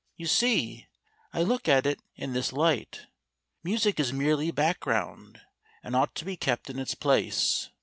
"You see, I look at it in this light. Music is merely background, and ought to be kept in its place.